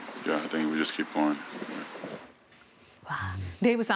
デーブさん